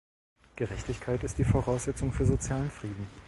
Gerechtigkeit ist die Voraussetzung für sozialen Frieden.